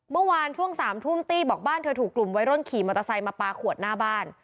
เมื่อวานช่วง๓ทุ่มตี้บอกบ้านเธอถูกกลุ่มวัยรุ่นขี่มอเตอร์ไซค์มาปลาขวดหน้าบ้าน